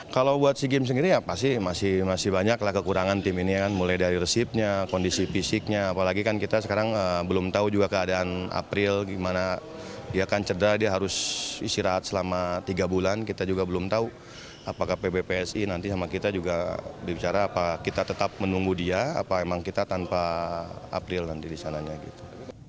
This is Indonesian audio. kalau buat si game sendiri ya pasti masih banyak lah kekurangan tim ini kan mulai dari resipnya kondisi fisiknya apalagi kan kita sekarang belum tahu juga keadaan april gimana dia kan cedera dia harus istirahat selama tiga bulan kita juga belum tahu apakah pbpsi nanti sama kita juga bicara apa kita tetap menunggu dia apa emang kita tanpa april nanti disananya gitu